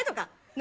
何？